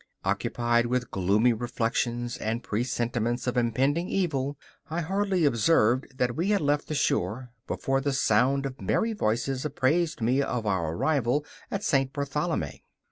Occupied with gloomy reflections and presentiments of impending evil, I hardly observed that we had left the shore before the sound of merry voices apprised me of our arrival at St. Bartholomæ.